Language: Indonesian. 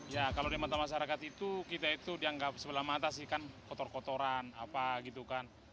ya kalau di mata masyarakat itu kita itu dianggap sebelah mata sih kan kotor kotoran apa gitu kan